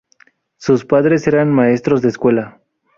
Sus padres eran maestros de escuela.